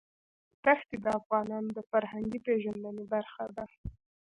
دښتې د افغانانو د فرهنګي پیژندنې برخه ده.